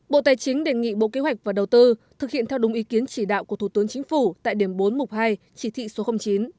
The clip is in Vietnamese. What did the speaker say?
bộ tài chính đề nghị bộ kế hoạch và đầu tư thực hiện theo đúng ý kiến chỉ đạo của thủ tướng chính phủ tại điểm bốn mục hai chỉ thị số chín